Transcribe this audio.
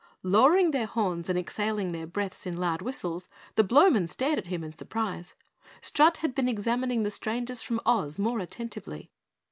Lowering their horns and exhaling their breaths in loud whistles, the Blowmen stared at him in surprise. Strut had been examining the strangers from Oz more attentively.